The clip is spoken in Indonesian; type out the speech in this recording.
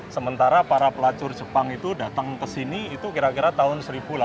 sementara para pelacur jepang itu datang ke sini itu kira kira tahun seribu delapan ratus